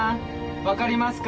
分かりますか？